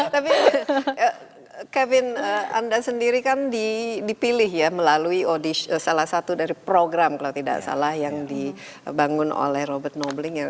tapi kevin anda sendiri kan dipilih ya melalui salah satu dari program kalau tidak salah yang dibangun oleh robert nobling